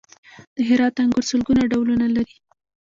د هرات انګور سلګونه ډولونه لري.